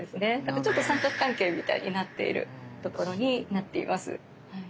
ちょっと三角関係みたいになっているところになっています。